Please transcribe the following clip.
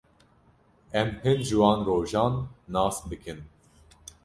Em hin ji wan rojan nas bikin.